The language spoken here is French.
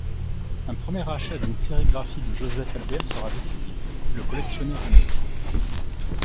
Un premier achat d’une sérigraphie de Joseph Albers sera décisif: le collectionneur est né.